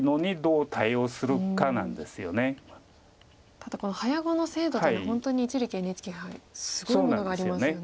ただ早碁の精度というのは一力ＮＨＫ杯すごいものがありますよね。